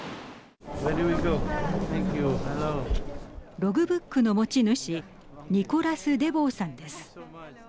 ログブックの持ち主ニコラス・デヴォーさんです。